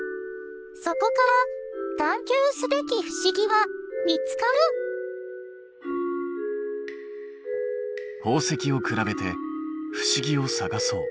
そこから探究すべき不思議は見つかる宝石を比べて不思議を探そう。